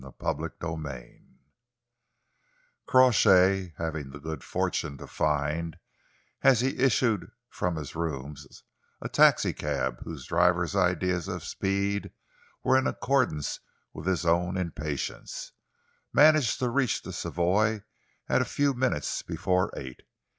CHAPTER XX Crawshay, having the good fortune to find, as he issued from his rooms, a taxicab whose driver's ideas of speed were in accordance with his own impatience, managed to reach the Savoy at a few minutes before eight.